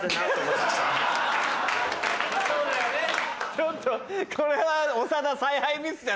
ちょっとこれは長田。